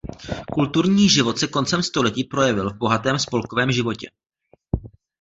Kulturní život se koncem století projevil v bohatém spolkovém životě.